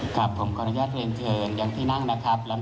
ถือว่าชีวิตที่ผ่านมายังมีความเสียหายแก่ตนและผู้อื่น